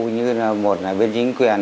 như một là bên chính quyền